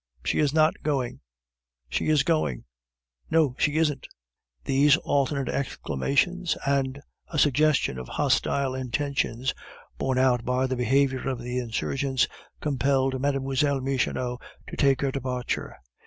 She is not going! She is going! No, she isn't." These alternate exclamations, and a suggestion of hostile intentions, borne out by the behavior of the insurgents, compelled Mlle. Michonneau to take her departure.